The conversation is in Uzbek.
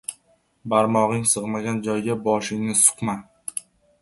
• Barmog‘ing sig‘magan joyga boshingni suqma.